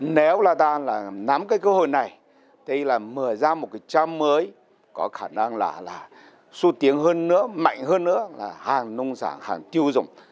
nếu là ta là nắm cái cơ hội này thì là mở ra một cái trang mới có khả năng là xu tiếng hơn nữa mạnh hơn nữa là hàng nông sản hàng tiêu dùng